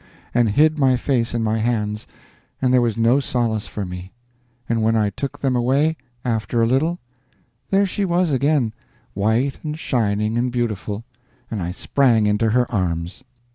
and hid my face in my hands, and there was no solace for me. And when I took them away, after a little, there she was again, white and shining and beautiful, and I sprang into her arms!